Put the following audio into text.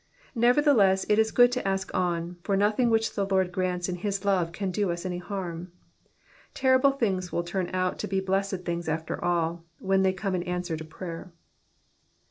Nevertheless, it is good to ask on, for nothing which the Lord grants in his love can do us any harm. Terrible things will turn out to be blessed things after all, where they come in answer to prayer.